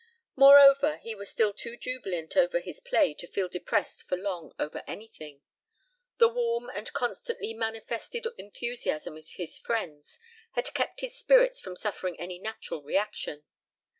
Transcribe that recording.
Moreover, he was still too jubilant over his play to feel depressed for long over anything; the warm and constantly manifested enthusiasm of his friends had kept his spirits from suffering any natural reaction.